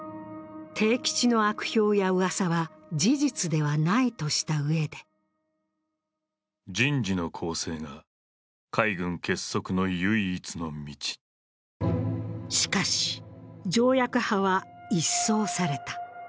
悌吉の悪評やうわさは事実ではないとしたうえでしかし、条約派は一掃された。